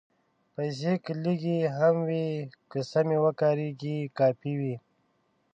پېسې که لږې هم وي، که سمې وکارېږي، کافي وي.